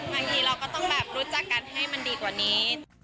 บางทีเราก็ต้องแบบรู้จักกันให้มันดีกว่านี้